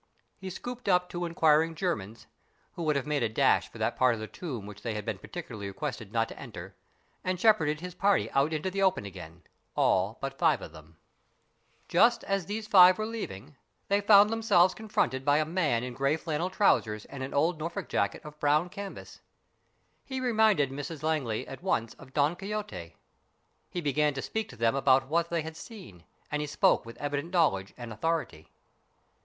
He scooped up two inquiring Germans, who would have made a dash for that part of the tomb which they had been particularly requested not to enter, and shepherded his party out into the open again all but five of them. 74 STORIES IN GREY Just as these five were leaving, they found them selves confronted by a man in grey flannel trousers and an old Norfolk jacket of brown canvas. He reminded Mrs Langley at once of Don Quixote. He began to speak to them about what they had seen, and he spoke with evident knowledge and authority.